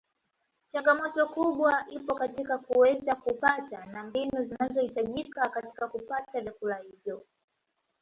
Changamoto kubwa ipo katika kuweza kupata na mbinu zinazohitajika katika kupata vyakula hivyo